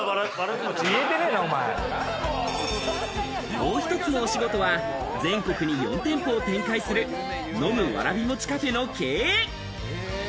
もう１つのお仕事は、全国に４店舗を展開する飲むわらび餅カフェの経営。